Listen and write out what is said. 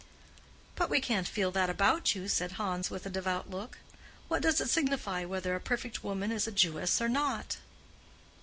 "But we can't feel that about you," said Hans, with a devout look. "What does it signify whether a perfect woman is a Jewess or not?"